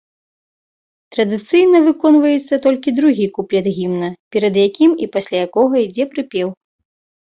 Традыцыйна выконваецца толькі другі куплет гімна, перад якім і пасля якога ідзе прыпеў.